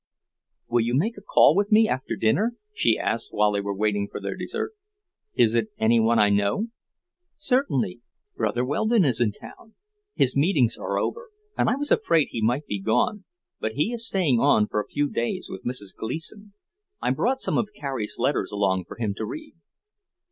"Will you make a call with me after dinner?" she asked while they were waiting for their dessert. "Is it any one I know?" "Certainly. Brother Weldon is in town. His meetings are over, and I was afraid he might be gone, but he is staying on a few days with Mrs. Gleason. I brought some of Carrie's letters along for him to read."